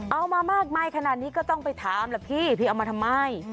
เอามามากมายขนาดนี้ก็ต้องไปถามล่ะพี่พี่เอามาทำไม